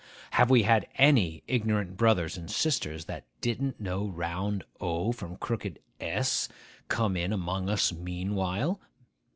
Have we had any ignorant brothers and sisters that didn't know round O from crooked S, come in among us meanwhile?